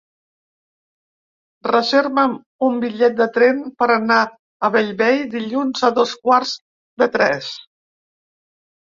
Reserva'm un bitllet de tren per anar a Bellvei dilluns a dos quarts de tres.